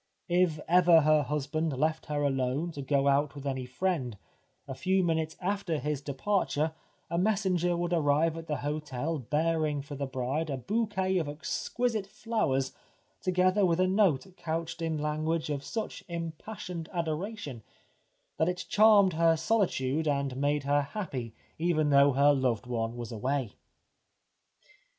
If ever her husband left her alone to go out with any friend, a few minutes after his departure a messenger would arrive at the hotel bearing for the bride a bouquet of exquisite flowers together with a note couched in language of such impassioned adoration that it charmed her solitude and made her happy even though her loved one was away.